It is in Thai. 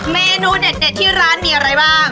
เมนูเด็ดที่ร้านมีอะไรบ้าง